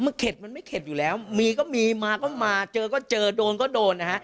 เข็ดมันไม่เข็ดอยู่แล้วมีก็มีมาก็มาเจอก็เจอโดนก็โดนนะฮะ